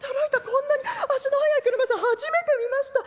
こんなに足の速い俥屋さん初めて見ました。